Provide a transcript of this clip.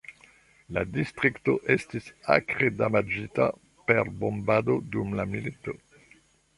La distrikto estis akre damaĝita per bombado dum la milito.